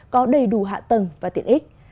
có đầy đủ hạ tầng và tiện ích